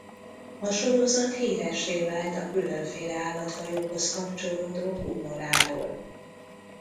A sorozat híressé vált a különféle állatfajokhoz kapcsolódó humoráról.